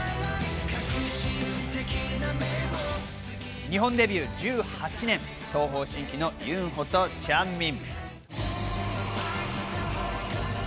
日本デビュー１８年、東方神起のユンホとチャンミン。